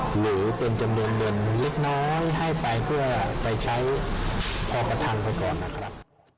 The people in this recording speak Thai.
หรือเป็นจำนวนเงินเล็กน้อยให้ไปเพื่อไปใช้แพร่ประทังไปก่อนนะครับ